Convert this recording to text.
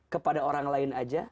kepada orang lain saja